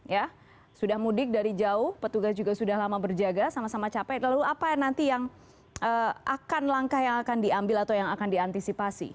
ya sudah mudik dari jauh petugas juga sudah lama berjaga sama sama capek lalu apa nanti yang akan langkah yang akan diambil atau yang akan diantisipasi